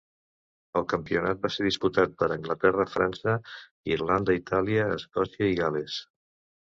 El campionat va ser disputat per Anglaterra, França, Irlanda, Itàlia, Escòcia i Gal·les.